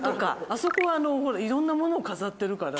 あそこは色んなものを飾ってるから。